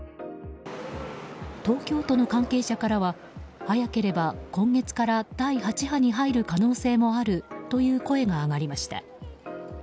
東京都の関係者からは早ければ今月から第８波に入る可能性もあるという声が上がりました。